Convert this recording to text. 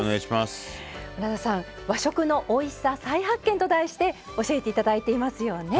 「和食のおいしさ再発見！」と題して教えていただいていますよね。